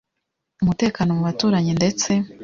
umutekano mu baturanyi Ndetse